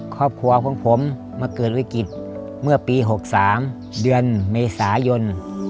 ครอบครัวของผมมาเกิดวิกฤตเมื่อปี๖๓เดือนเมษายน